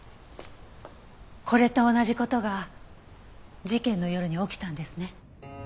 これと同じ事が事件の夜に起きたんですね？